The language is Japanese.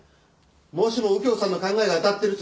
もしも右京さんの考えが当たってるとしたら。